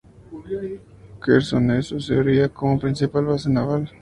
Quersoneso servía como principal base naval.